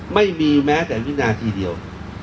ไม่มีแม้แต่วินาทีเดียว